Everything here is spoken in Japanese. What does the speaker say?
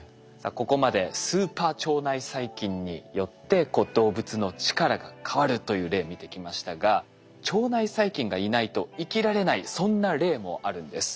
ここまでスーパー腸内細菌によってこう動物の力が変わるという例見てきましたが腸内細菌がいないと生きられないそんな例もあるんです。